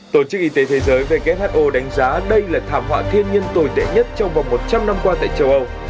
tổ chức y tế thế giới who đánh giá đây là thảm họa thiên nhiên tồi tệ nhất trong vòng một trăm linh năm qua tại châu âu